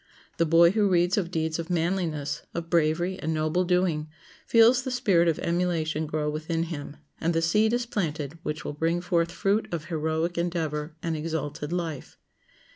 The boy who reads of deeds of manliness, of bravery and noble doing, feels the spirit of emulation grow within him, and the seed is planted which will bring forth fruit of heroic endeavor and exalted life.